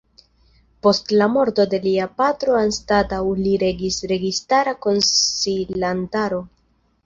Post la morto de lia patro anstataŭ li regis registara konsilantaro.